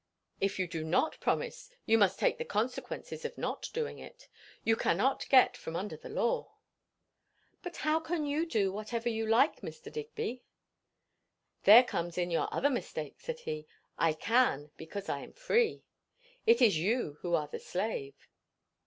"If you do not promise you must take the consequences of not doing it. You cannot get from under the law." "But how can you do whatever you like, Mr. Digby?" "There comes in your other mistake," said he. "I can, because I am free. It is you who are the slave."